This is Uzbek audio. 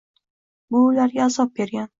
Bu ularga azob bergan.